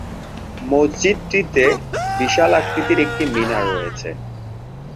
মসজিদটিতে বিশাল আকৃতির একটি মিনার রয়েছে।